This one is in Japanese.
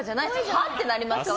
は？ってなりますから。